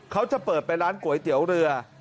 เขาจะเปิดไปร้านก๋วยเตี๋ยวเรือ